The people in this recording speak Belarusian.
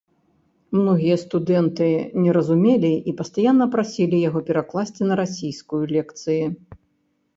Многія студэнты не разумелі і пастаянна прасілі яго перакласці на расійскую лекцыі.